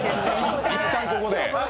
いったんここで。